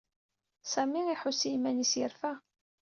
Sami iḥuss i yiman-is yerfa.